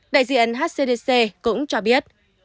đại diện hcdc cũng cho biết